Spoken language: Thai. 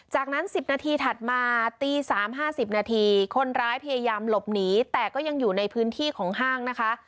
จากนั้น๑๐นาทีถัดมาตี๓๕๐นาทีคนร้ายพยายามหลบหนีแต่ก็ยังอยู่ในพื้นที่ของห้างนะคะ